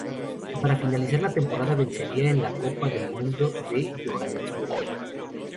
Y para finalizar la temporada vencería en la Copa del Mundo de Johannesburgo.